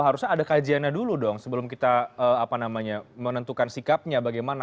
harusnya ada kajiannya dulu dong sebelum kita menentukan sikapnya bagaimana